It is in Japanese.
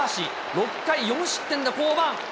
６回４失点で降板。